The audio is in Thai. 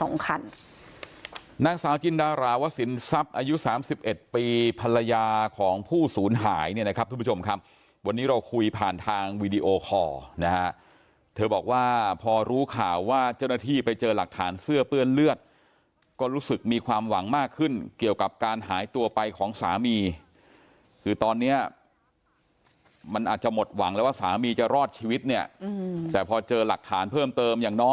ในภรรยาของผู้ศูนย์หายเนี่ยนะครับทุกผู้ชมครับวันนี้เราคุยผ่านทางวีดีโอคอร์นะฮะเธอบอกว่าพอรู้ข่าวว่าเจ้าหน้าที่ไปเจอหลักฐานเสื้อเปื้อนเลือดก็รู้สึกมีความหวังมากขึ้นเกี่ยวกับการหายตัวไปของสามีคือตอนเนี้ยมันอาจจะหมดหวังแล้วว่าสามีจะรอดชีวิตเนี่ยแต่พอเจอหลักฐานเพิ่มเ